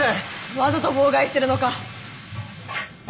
わざと妨害してるのか？